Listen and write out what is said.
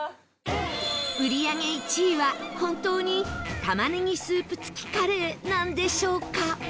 売り上げ１位は本当に玉ねぎスープ付きカレーなんでしょうか？